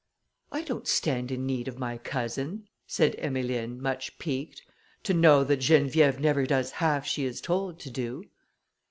"I don't stand in need of my cousin," said Emmeline, much piqued, "to know that Geneviève never does half she is told to do."